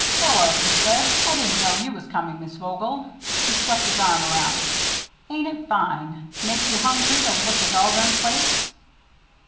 "Hello," he said; "I didn't know you was coming, Miss Vogel." He swept his arm around. "Ain't it fine? Make you hungry to look at all them plates?"